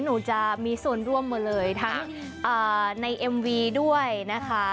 หนูจะมีส่วนร่วมหมดเลยทั้งในเอ็มวีด้วยนะคะ